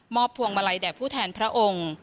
พวงมาลัยแด่ผู้แทนพระองค์